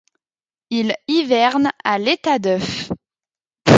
Il hiverne à l'état d'œuf.